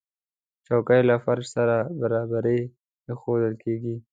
چوکۍ له فرش سره برابرې ایښودل کېږي.